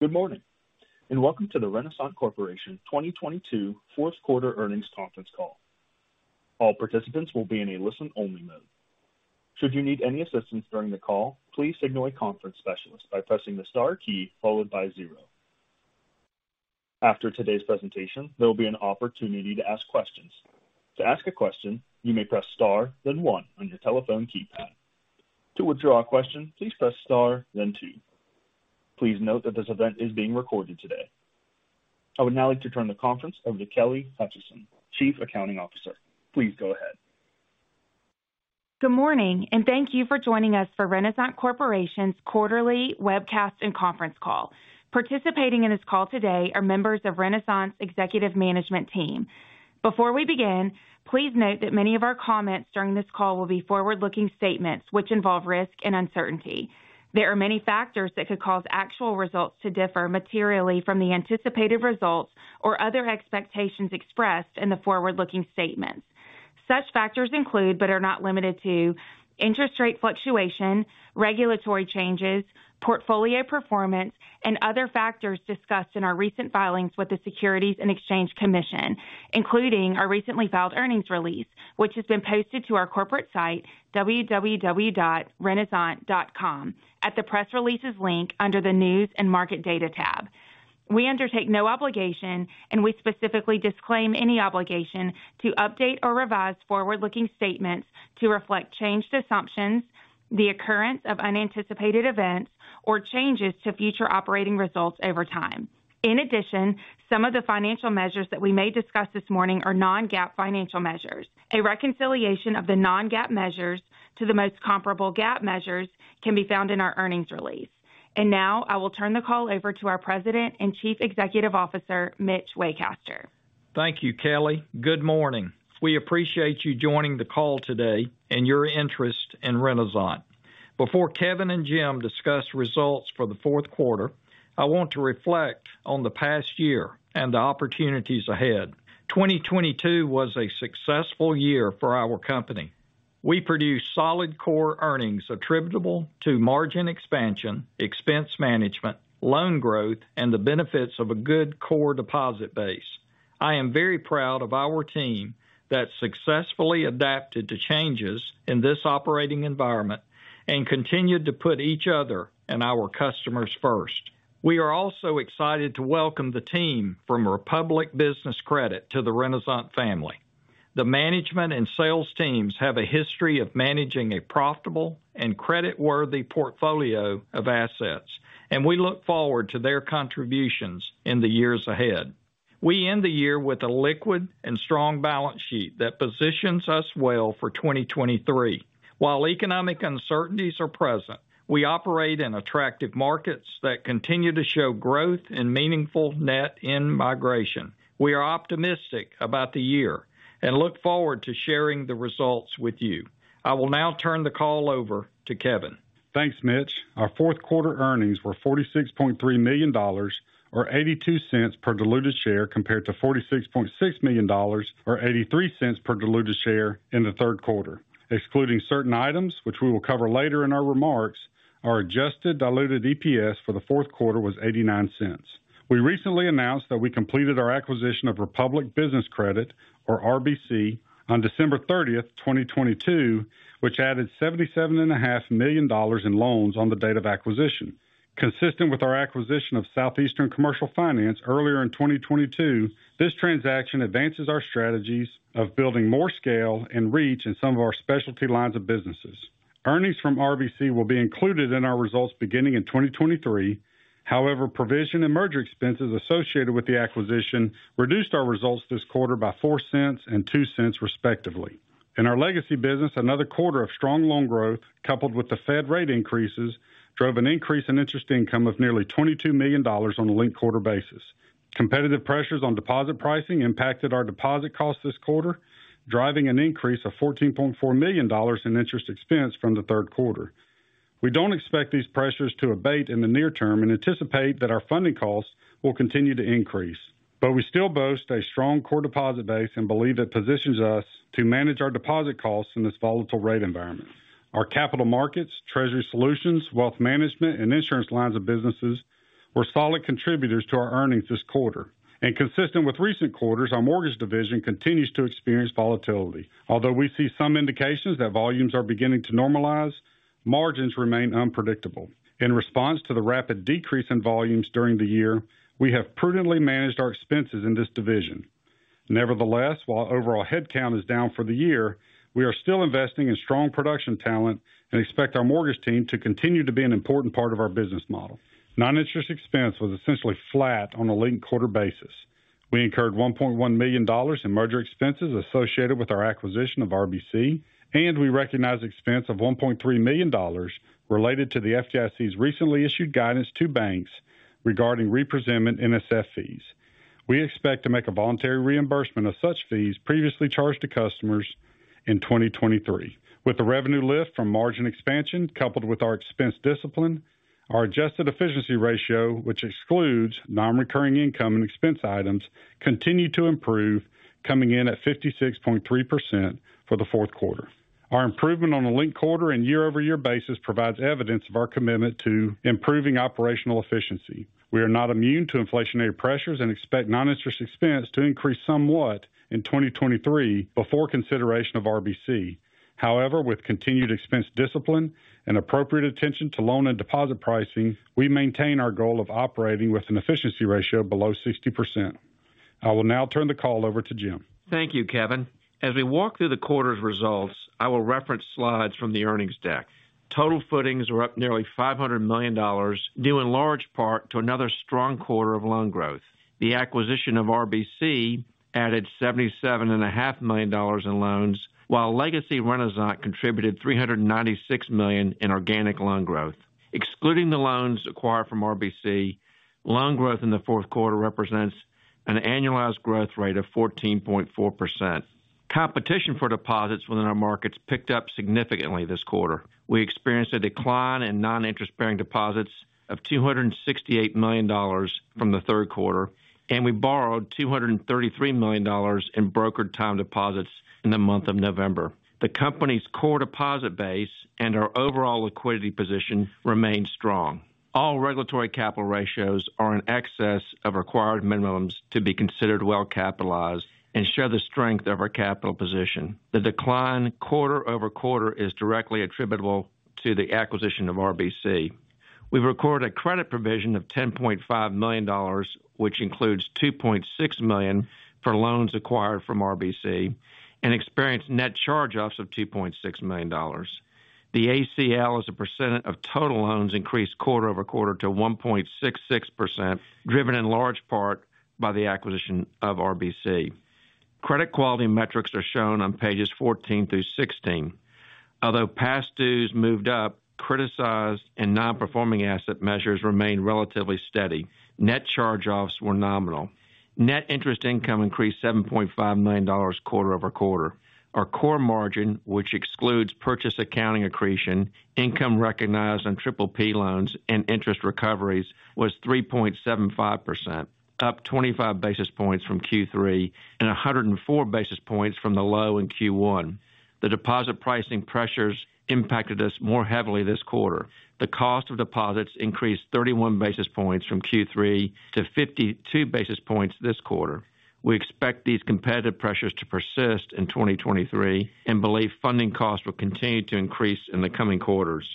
Good morning, and welcome to the Renasant Corporation 2022 4th quarter earnings Conference Call. All participants will be in a listen-only mode. Should you need any assistance during the call, please signal a conference specialist by pressing the star key followed by 0. After today's presentation, there'll be an opportunity to ask questions. To ask a question, you may press Star then 1 on your telephone keypad. To withdraw a question, please press Star then 2. Please note that this event is being recorded today. I would now like to turn the conference over to Kelly Hutcheson, Chief Accounting Officer. Please go ahead. Good morning, and thank you for joining us for Renasant Corporation's quarterly webcast and Conference Call. Participating in this call today are members of Renasant executive management team. Before we begin, please note that many of our comments during this call will be forward-looking statements which involve risk and uncertainty. There are many factors that could cause actual results to differ materially from the anticipated results or other expectations expressed in the forward-looking statements. Such factors include, but are not limited to interest rate fluctuation, regulatory changes, portfolio performance, and other factors discussed in our recent filings with the Securities and Exchange Commission, including our recently filed earnings release, which has been posted to our corporate site, www.renasant.com, at the press releases link under the News & Market Data tab. We undertake no obligation, and we specifically disclaim any obligation to update or revise forward-looking statements to reflect changed assumptions, the occurrence of unanticipated events, or changes to future operating results over time. In addition, some of the financial measures that we may discuss this morning are non-GAAP financial measures. A reconciliation of the non-GAAP measures to the most comparable GAAP measures can be found in our earnings release. Now I will turn the call over to our President and Chief Executive Officer, Mitch Waycaster. Thank you, Kelly. Good morning. We appreciate you joining the call today and your interest in Renasant. Before Kevin and Jim discuss results for the Q4, I want to reflect on the past year and the opportunities ahead. 2022 was a successful year for our company. We produced solid core earnings attributable to margin expansion, expense management, loan growth, and the benefits of a good core deposit base. I am very proud of our team that successfully adapted to changes in this operating environment and continued to put each other and our customers first. We are also excited to welcome the team from Republic Business Credit to the Renasant family. The management and sales teams have a history of managing a profitable and creditworthy portfolio of assets. We look forward to their contributions in the years ahead. We end the year with a liquid and strong balance sheet that positions us well for 2023. While economic uncertainties are present, we operate in attractive markets that continue to show growth and meaningful net in-migration. We are optimistic about the year and look forward to sharing the results with you. I will now turn the call over to Kevin. Thanks, Mitch. Our Q4 earnings were $46.3 million or $0.82 per diluted share compared to $46.6 million or $0.83 per diluted share in the Q3. Excluding certain items which we will cover later in our remarks, our adjusted diluted EPS for the Q4 was $0.89. We recently announced that we completed our acquisition of Republic Business Credit (RBC), on December 30, 2022, which added $77.5 million in loans on the date of acquisition. Consistent with our acquisition of Southeastern Commercial Finance earlier in 2022, this transaction advances our strategies of building more scale and reach in some of our specialty lines of businesses. Earnings from RBC will be included in our results beginning in 2023. Provision and merger expenses associated with the acquisition reduced our results this quarter by $0.04 and $0.02, respectively. In our legacy business, another quarter of strong loan growth, coupled with the Fed rate increases, drove an increase in interest income of nearly $22 million on a linked-quarter basis. Competitive pressures on deposit pricing impacted our deposit cost this quarter, driving an increase of $14.4 million in interest expense from the Q3. We don't expect these pressures to abate in the near term and anticipate that our funding costs will continue to increase. We still boast a strong core deposit base and believe it positions us to manage our deposit costs in this volatile rate environment. Our capital markets, treasury solutions, wealth management, and insurance lines of businesses were solid contributors to our earnings this quarter. Consistent with recent quarters, our mortgage division continues to experience volatility. Although we see some indications that volumes are beginning to normalize, margins remain unpredictable. In response to the rapid decrease in volumes during the year, we have prudently managed our expenses in this division. Nevertheless, while overall headcount is down for the year, we are still investing in strong production talent and expect our mortgage team to continue to be an important part of our business model. Non-interest expense was essentially flat on a linked-quarter basis. We incurred $1.1 million in merger expenses associated with our acquisition of RBC, and we recognized expense of $1.3 million related to the FDIC's recently issued guidance to banks regarding representment NSF fees. We expect to make a voluntary reimbursement of such fees previously charged to customers in 2023. With the revenue lift from margin expansion coupled with our expense discipline, our adjusted efficiency ratio, which excludes non-recurring income and expense items, continued to improve, coming in at 56.3% for the Q4. Our improvement on a linked-quarter and year-over-year basis provides evidence of our commitment to improving operational efficiency. We are not immune to inflationary pressures and expect non-interest expense to increase somewhat in 2023 before consideration of RBC. With continued expense discipline and appropriate attention to loan and deposit pricing, we maintain our goal of operating with an efficiency ratio below 60%. I will now turn the call over to Jim. Thank you, Kevin. As we walk through the quarter's results, I will reference slides from the earnings deck. Total footings were up nearly $500 million, due in large part to another strong quarter of loan growth. The acquisition of RBC added $77 and a half million in loans, while legacy Renasant contributed $396 million in organic loan growth. Excluding the loans acquired from RBC, loan growth in the Q4 represents an annualized growth rate of 14.4%. Competition for deposits within our markets picked up significantly this quarter. We experienced a decline in non-interest-bearing deposits of $268 million from the Q3. We borrowed $233 million in brokered time deposits in the month of November. The company's core deposit base and our overall liquidity position remain strong. All regulatory capital ratios are in excess of required minimums to be considered well capitalized and show the strength of our capital position. The decline quarter-over-quarter is directly attributable to the acquisition of RBC. We've recorded a credit provision of $10.5 million, which includes $2.6 million for loans acquired from RBC and experienced net charge-offs of $2.6 million. The ACL as a % of total loans increased quarter-over-quarter to 1.66%, driven in large part by the acquisition of RBC. Credit quality metrics are shown on pages 14 through 16. Although past dues moved up, criticized and non-performing asset measures remained relatively steady. Net charge-offs were nominal. Net interest income increased $7.5 million quarter-over-quarter. Our core margin, which excludes purchase accounting accretion, income recognized on PPP loans, and interest recoveries, was 3.75%, up 25 basis points from Q3 and 104 basis points from the low in Q1. The deposit pricing pressures impacted us more heavily this quarter. The cost of deposits increased 31 basis points from Q3 to 52 basis points this quarter. We expect these competitive pressures to persist in 2023 and believe funding costs will continue to increase in the coming quarters.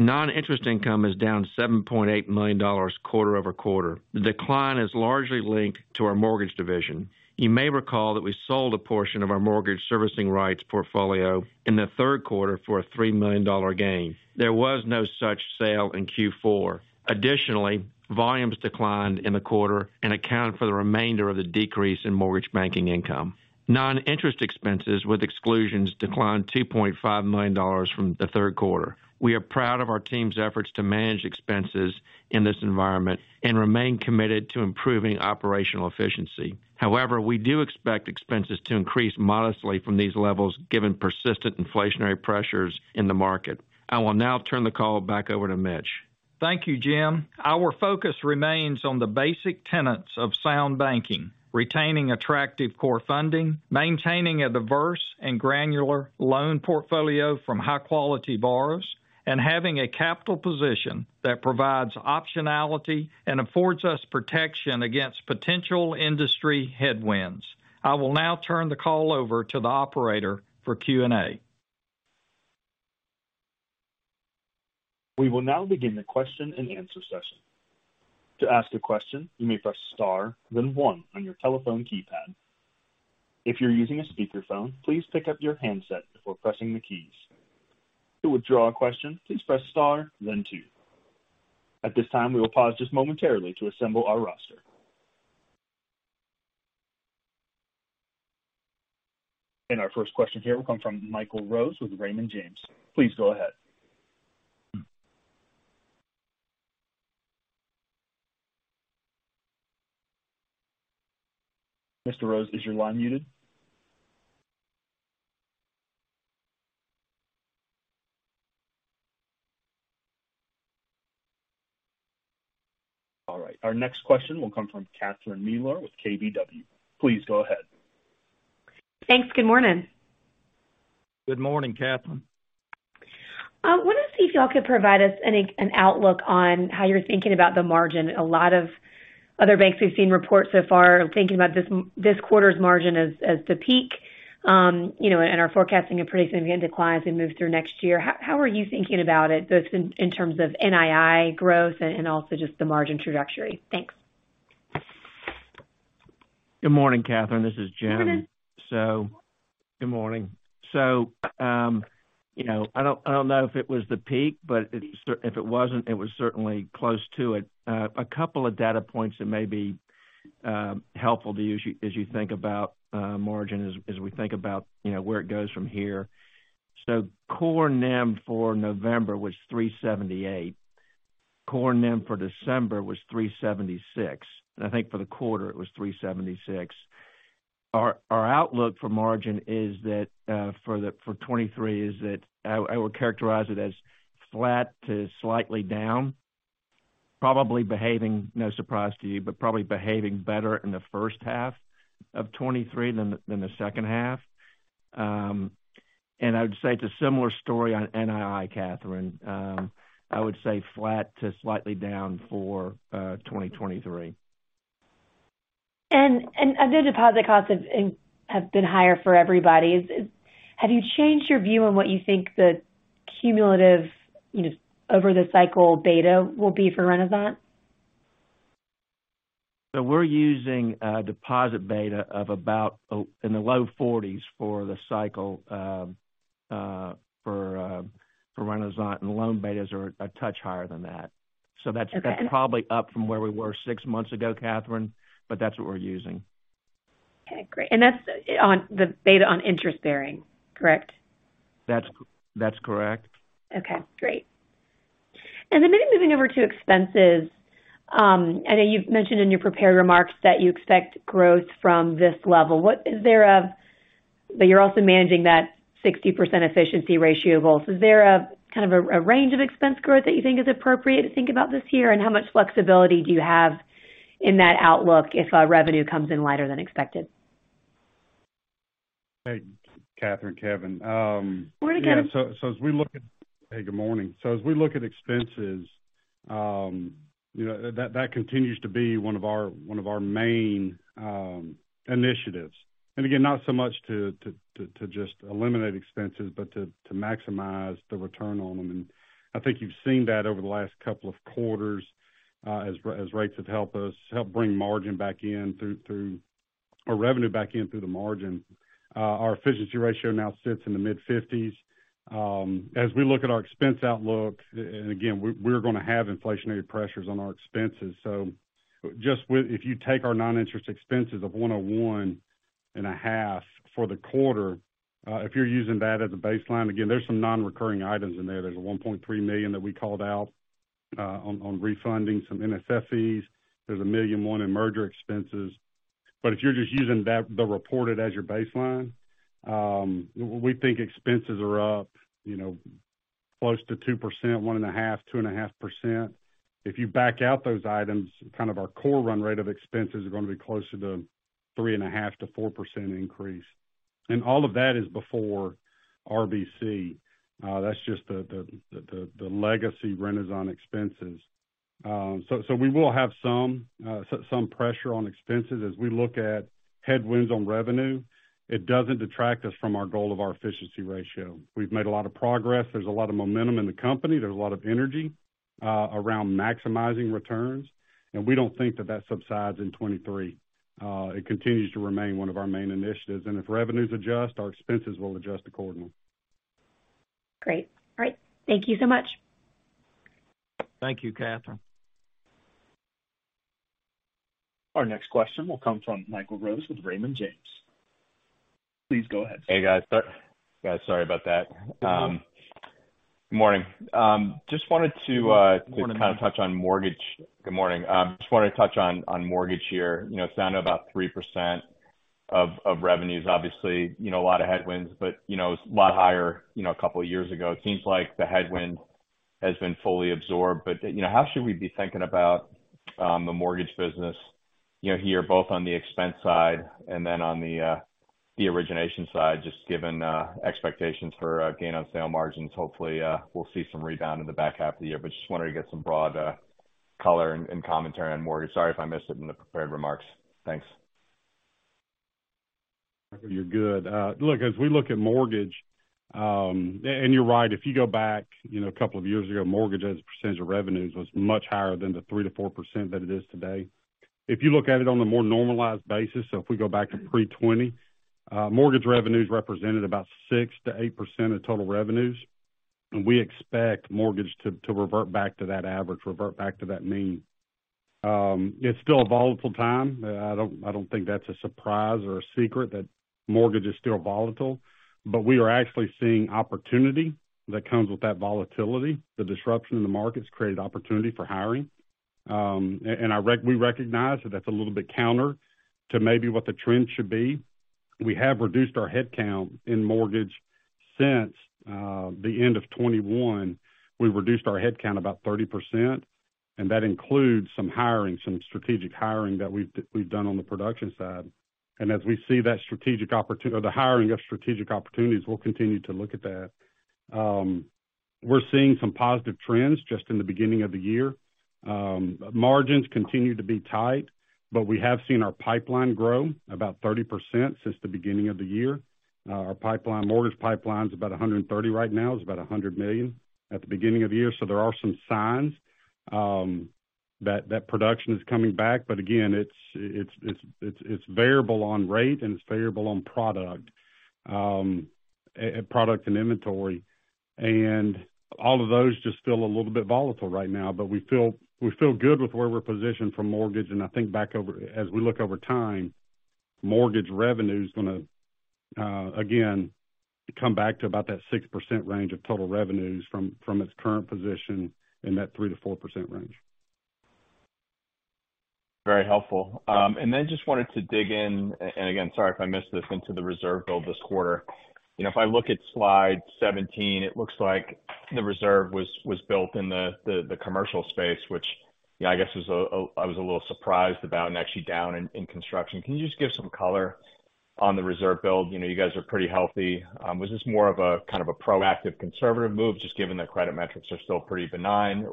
Non-interest income is down $7.8 million quarter-over-quarter. The decline is largely linked to our mortgage division. You may recall that we sold a portion of our mortgage servicing rights portfolio in the Q3 for a $3 million gain. There was no such sale in Q4. Additionally, volumes declined in the quarter and accounted for the remainder of the decrease in mortgage banking income. Non-interest expenses with exclusions declined $2.5 million from the Q3. We are proud of our team's efforts to manage expenses in this environment and remain committed to improving operational efficiency. However, we do expect expenses to increase modestly from these levels given persistent inflationary pressures in the market. I will now turn the call back over to Mitch. Thank you, Jim. Our focus remains on the basic tenets of sound banking, retaining attractive core funding, maintaining a diverse and granular loan portfolio from high-quality borrowers, and having a capital position that provides optionality and affords us protection against potential industry headwinds. I will now turn the call over to the operator for Q&A. We will now begin the question and answer session. To ask a question, you may press Star, then 1 on your telephone keypad. If you're using a speakerphone, please pick up your handset before pressing the keys. To withdraw a question, please press Star then 2. At this time, we will pause just momentarily to assemble our roster. Our first question here will come from Michael Rose with Raymond James. Please go ahead. Mr. Rose, is your line muted? All right, our next question will come from Catherine Mealor with KBW. Please go ahead. Thanks. Good morning. Good morning, Catherine. Wanted to see if y'all could provide us an outlook on how you're thinking about the margin. A lot of other banks we've seen report so far are thinking about this quarter's margin as the peak, you know, and are forecasting a pretty significant decline as we move through next year. How are you thinking about it, both in terms of NII growth and also just the margin trajectory? Thanks. Good morning, Catherine. This is Jim. Good morning. Good morning. You know, I don't, I don't know if it was the peak, but if it wasn't, it was certainly close to it. A couple of data points that may be helpful to you as you think about margin as we think about, you know, where it goes from here. Core NIM for November was 378. Core NIM for December was 376. And I think for the quarter it was 376. Our outlook for margin is that for 2023 is that I would characterize it as flat to slightly down. Probably behaving, no surprise to you, but probably behaving better in the first half of 2023 than the second half. I would say it's a similar story on NII, Catherine. I would say flat to slightly down for 2023. I know deposit costs have been higher for everybody. Have you changed your view on what you think the cumulative, you know, over the cycle beta will be for Renasant? We're using deposit beta of about in the low 40s for the cycle, for Renasant, and loan betas are a touch higher than that. Okay. That's probably up from where we were six months ago, Catherine, but that's what we're using. Okay, great. That's on the beta on interest-bearing, correct? That's correct. Okay, great. Then maybe moving over to expenses. I know you've mentioned in your prepared remarks that you expect growth from this level. You're also managing that 60% efficiency ratio goal. Is there a, a range of expense growth that you think is appropriate to think about this year? How much flexibility do you have in that outlook if revenue comes in lighter than expected? Hey, Catherine, Kevin. Morning, Kevin. As we look at... Hey, good morning. As we look at expenses, you know, that continues to be one of our, one of our main initiatives. Again, not so much to just eliminate expenses, but to maximize the return on them. I think you've seen that over the last couple of quarters, as rates have helped us, helped bring margin back in through revenue back in through the margin. Our efficiency ratio now sits in the mid-50s%. As we look at our expense outlook, and again, we're gonna have inflationary pressures on our expenses. Just if you take our non-interest expenses of one hundred and one and a half for the quarter, if you're using that as a baseline, again, there's some non-recurring items in there. There's a $1.3 million that we called out on refunding some NSF fees. There's a $1.1 million in merger expenses. If you're just using that, the reported as your baseline, we think expenses are up, you know, close to 2%, 1.5% to 2.5%. If you back out those items, our core run rate of expenses are gonna be closer to 3.5% to 4% increase. All of that is before RBC. That's just the legacy Renasant expenses. We will have some pressure on expenses. As we look at headwinds on revenue, it doesn't detract us from our goal of our efficiency ratio. We've made a lot of progress. There's a lot of momentum in the company. There's a lot of energy around maximizing returns, and we don't think that that subsides in 23. It continues to remain one of our main initiatives, and if revenues adjust, our expenses will adjust accordingly. Great. All right. Thank you so much. Thank you, Catherine. Our next question will come from Michael Rose with Raymond James. Please go ahead. Hey, guys. guys, sorry about that. Good morning. Just wanted to. Good morning, Michael. To touch on mortgage. Good morning. Just wanted to touch on mortgage here. You know, it's down to about 3% of revenues, obviously, you know, a lot of headwinds, but, you know, it's a lot higher, you know, a couple of years ago. It seems like the headwind has been fully absorbed. You know, how should we be thinking about the mortgage business, you know, here, both on the expense side and then on the origination side, just given expectations for gain on sale margins. Hopefully, we'll see some rebound in the back half of the year, but just wanted to get some broad color and commentary on mortgage. Sorry if I missed it in the prepared remarks. Thanks. You're good. Look, as we look at mortgage, and you're right, if you go back, you know, a couple of years ago, mortgage as a percentage of revenues was much higher than the 3%-4% that it is today. If you look at it on a more normalized basis, if we go back to pre-2020, mortgage revenues represented about 6%-8% of total revenues. We expect mortgage to revert back to that average, revert back to that mean. It's still a volatile time. I don't think that's a surprise or a secret that mortgage is still volatile. We are actually seeing opportunity that comes with that volatility. The disruption in the markets created opportunity for hiring. We recognize that that's a little bit counter to maybe what the trend should be. We have reduced our headcount in mortgage since the end of 2021. We've reduced our headcount about 30%, and that includes some hiring, some strategic hiring that we've done on the production side. As we see that strategic or the hiring of strategic opportunities, we'll continue to look at that. We're seeing some positive trends just in the beginning of the year. Margins continue to be tight, we have seen our pipeline grow about 30% since the beginning of the year. Our pipeline, mortgage pipeline is about $130 million right now. It was about $100 million at the beginning of the year. There are some signs that production is coming back. Again, it's variable on rate and it's variable on product and inventory. All of those just feel a little bit volatile right now, but we feel good with where we're positioned for mortgage. I think back over, as we look over time, mortgage revenue is gonna again come back to about that 6% range of total revenues from its current position in that 3%-4% range. Very helpful. Just wanted to dig in, again, sorry if I missed this, into the reserve build this quarter. You know, if I look at slide 17, it looks like the reserve was built in the commercial space, which, you know, I guess was, I was a little surprised about and actually down in construction. Can you just give some color on the reserve build? You know, you guys are pretty healthy. Was this more of a proactive conservative move, just given that credit metrics are still pretty benign?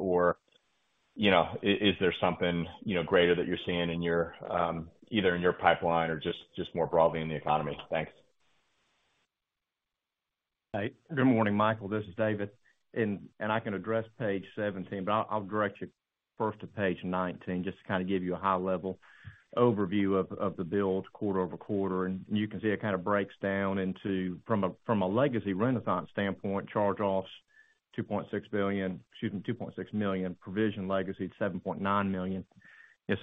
You know, is there something, you know, greater that you're seeing in your either in your pipeline or just more broadly in the economy? Thanks. Hey, good morning, Michael. This is David. I can address page 17, but I'll direct you first to page 19, just to give you a high-level overview of the build quarter-over-quarter. You can see it breaks down into, from a legacy Renasant standpoint, charge-offs $2.6 million, provision legacy at $7.9 million.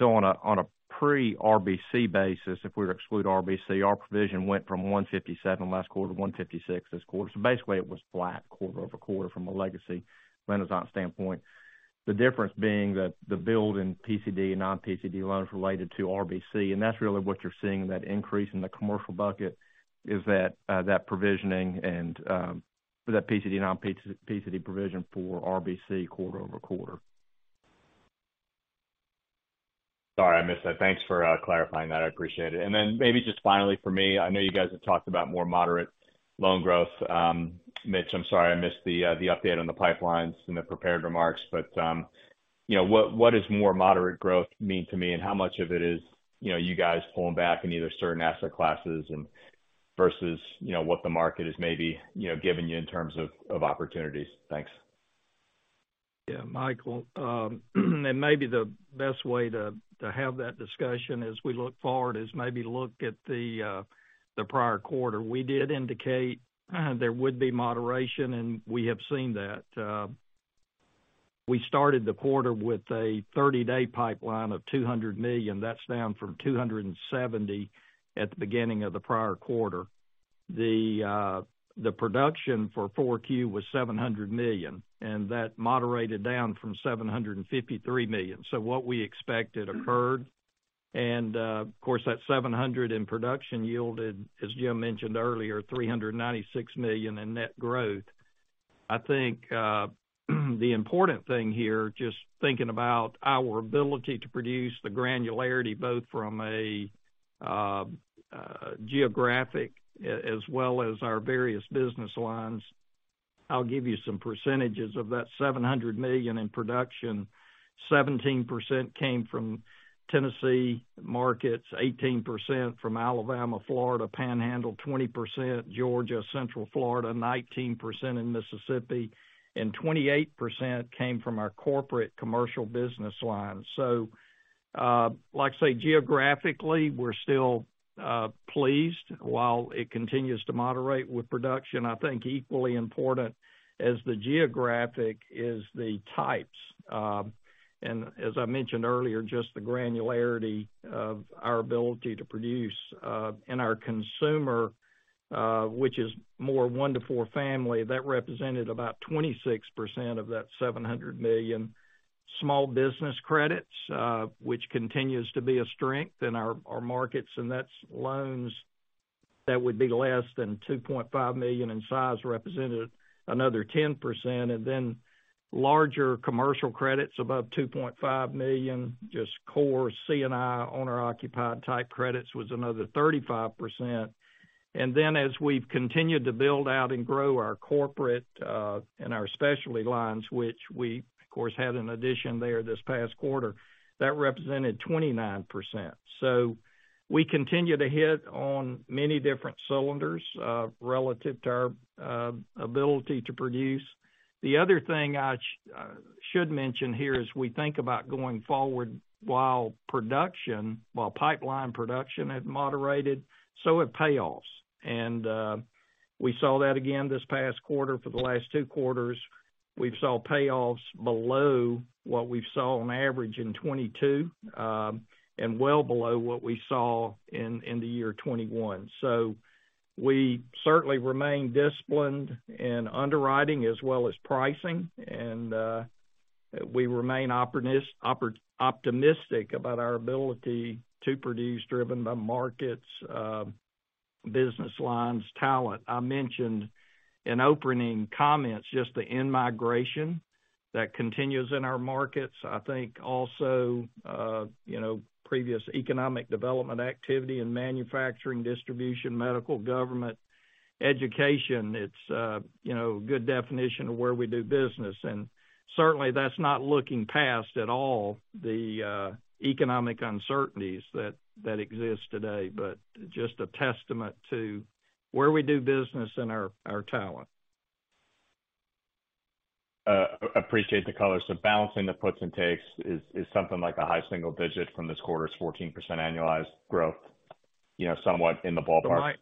On a pre-RBC basis, if we were to exclude RBC, our provision went from $157 last quarter to $156 this quarter. Basically, it was flat quarter-over-quarter from a legacy Renasant standpoint. The difference being that the build in PCD and non-PCD loans related to RBC, and that's really what you're seeing, that increase in the commercial bucket is that provisioning and, that PCD and non-PCD provision for RBC quarter-over-quarter. Sorry, I missed that. Thanks for clarifying that. I appreciate it. Maybe just finally for me, I know you guys have talked about more moderate loan growth. Mitch, I'm sorry, I missed the update on the pipelines in the prepared remarks, but, you know, what does more moderate growth mean to me, and how much of it is, you know, you guys pulling back in either certain asset classes and versus, you know, what the market is maybe, you know, giving you in terms of opportunities? Thanks. Yeah, Michael, maybe the best way to have that discussion as we look forward is maybe look at the prior quarter. We did indicate there would be moderation, and we have seen that. We started the quarter with a 30-day pipeline of $200 million. That's down from $270 million at the beginning of the prior quarter. The production for 4Q was $700 million, and that moderated down from $753 million. What we expected occurred. Of course, that $700 million in production yielded, as Jim mentioned earlier, $396 million in net growth. I think the important thing here, just thinking about our ability to produce the granularity, both from a geographic as well as our various business lines. I'll give you some percentages of that $700 million in production. 17% came from Tennessee markets, 18% from Alabama, Florida Panhandle, 20% Georgia, Central Florida, 19% in Mississippi, and 28% came from our corporate commercial business lines. Like I say, geographically, we're still pleased. While it continues to moderate with production, I think equally important as the geographic is the types. As I mentioned earlier, just the granularity of our ability to produce in our consumer, which is more 1 to 4 family, that represented about 26% of that $700 million. Small business credits, which continues to be a strength in our markets, and that's loans that would be less than $2.5 million in size, represented another 10%. Larger commercial credits above $2.5 million, just core C&I owner-occupied type credits was another 35%. As we've continued to build out and grow our corporate and our specialty lines, which we of course had an addition there this past quarter, that represented 29%. We continue to hit on many different cylinders relative to our ability to produce. The other thing I should mention here as we think about going forward, while production, while pipeline production had moderated, so have payoffs. We saw that again this past quarter. For the last two quarters, we've saw payoffs below what we saw on average in 2022, and well below what we saw in the year 2021. We certainly remain disciplined in underwriting as well as pricing. We remain optimistic about our ability to produce, driven by markets, business lines, talent. I mentioned in opening comments, just the in-migration that continues in our markets. You know, previous economic development activity in manufacturing, distribution, medical, government, education. It's, you know, a good definition of where we do business. Certainly that's not looking past at all the economic uncertainties that exist today, but just a testament to where we do business and our talent. appreciate the color. balancing the puts and takes is something like a high single digit from this quarter's 14% annualized growth, you know, somewhat in the ballpark?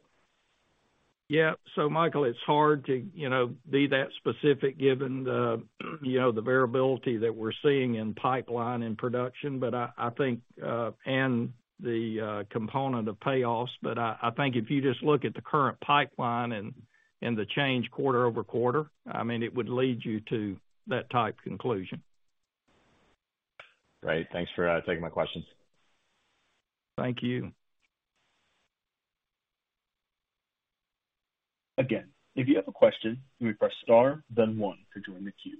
Yeah. Michael, it's hard to, you know, be that specific given the, you know, the variability that we're seeing in pipeline and production, but I think, and the component of payoffs, but I think if you just look at the current pipeline and the change quarter-over-quarter, I mean, it would lead you to that type conclusion. Great. Thanks for taking my questions. Thank you. Again, if you have a question, you may press Star then one to join the queue.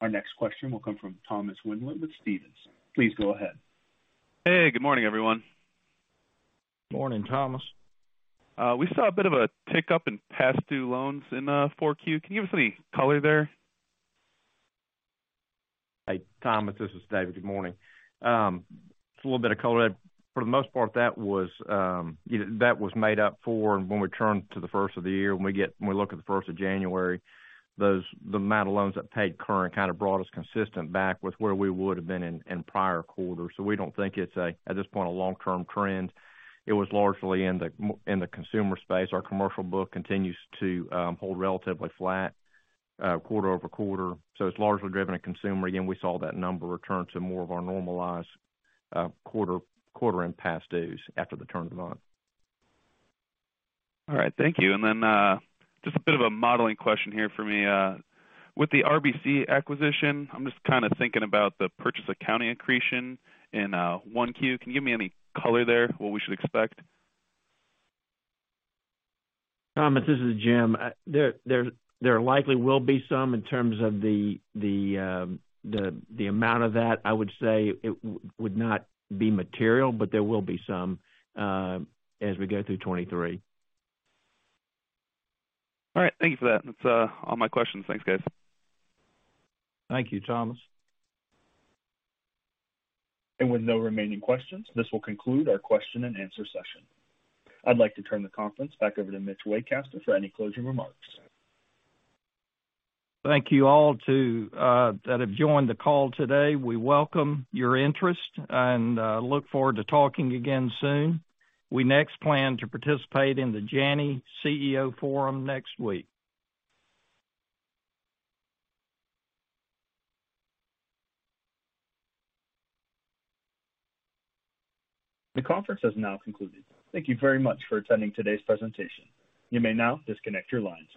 Our next question will come from Thomas Wendler with Stephens. Please go ahead. Hey, good morning, everyone. Morning, Thomas. We saw a bit of a tick up in past due loans in 4Q. Can you give us any color there? Hey, Thomas Wendler, this is David. Good morning. It's a little bit of color. For the most part, that was, you know, that was made up for when we turned to the 1st of the year. When we look at the 1st of January, those, the amount of loans that paid current brought us consistent back with where we would have been in prior quarters. We don't think it's a, at this point, a long-term trend. It was largely in the consumer space. Our commercial book continues to hold relatively flat quarter-over-quarter, so it's largely driven a consumer. Again, we saw that number return to more of our normalized quarter in past dues after the turn of the month. All right. Thank you. Just a bit of a modeling question here for me. With the RBC acquisition, I'm just kinda thinking about the purchase accounting accretion in 1Q. Can you give me any color there, what we should expect? Thomas, this is Jim. There likely will be some in terms of the amount of that. I would say it would not be material, but there will be some as we go through 23. All right. Thank you for that. That's all my questions. Thanks, guys. Thank you, Thomas. With no remaining questions, this will conclude our question and answer session. I'd like to turn the conference back over to Mitch Waycaster for any closing remarks. Thank you all to that have joined the call today. We welcome your interest and look forward to talking again soon. We next plan to participate in the Janney CEO Forum next week. The conference has now concluded. Thank you very much for attending today's presentation. You may now disconnect your lines.